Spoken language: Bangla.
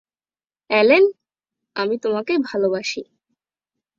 অ্যালেন, আমি তোমাকে ভালোবাসি।